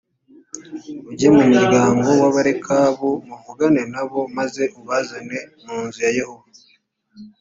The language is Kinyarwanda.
ujye mu muryango w abarekabu m uvugane na bo maze ubazane mu nzu ya yehova